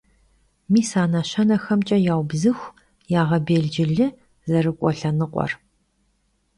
Mis a neşenexemç'e yaubzıxu, yağebêlcılı zerık'ue lhenıkhuer.